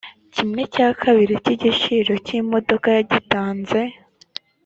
kimwe cya kabiri cy’igiciro cy’imodoka yagitanze